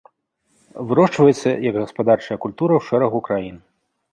Вырошчваецца, як гаспадарчая культура ў шэрагу краін.